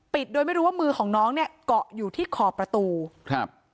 โดยไม่รู้ว่ามือของน้องเนี่ยเกาะอยู่ที่ขอบประตูครับ